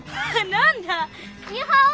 何だ。